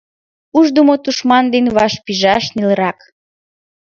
Уждымо тушман дене вашпижаш нелырак.